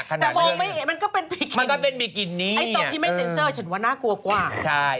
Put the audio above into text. ก็แต่มองไป